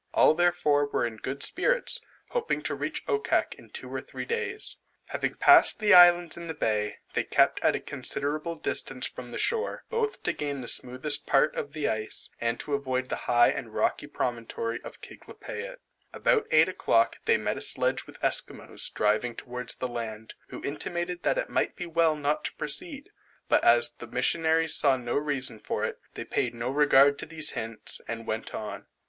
All therefore were in good spirits, hoping to reach Okkak in two or three days. Having passed the islands in the bay, they kept at a considerable distance from the shore, both to gain the smoothest part of the ice, and to avoid the high and rocky promontory of Kiglapeit. About eight o'clock they met a sledge with Esquimaux driving towards the land, who intimated that it might be well not to proceed; but as the missionaries saw no reason for it, they paid no regard to these hints, and went on.